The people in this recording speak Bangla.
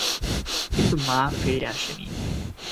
কিন্তু মা ফিরে আসেনি।